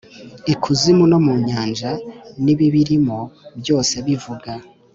ikuzimu no mu nyanja n’ibibirimo byose bivuga